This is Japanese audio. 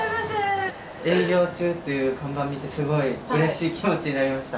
営業中っていう看板見て、すごいうれしい気持ちになりました。